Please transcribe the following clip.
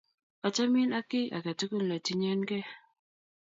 Achamin ak kiy aketukul netinyeninkey .